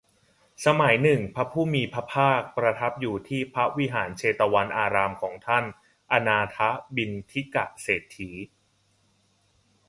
สมัยหนึ่ง พระผู้มีพระภาคประทับอยู่ที่พระวิหารเชตวันอารามของท่านอนาถบิณฑิกเศรษฐี